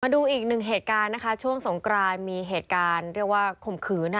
ดูอีกหนึ่งเหตุการณ์นะคะช่วงสงกรานมีเหตุการณ์เรียกว่าข่มขืน